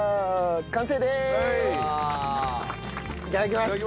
いただきます。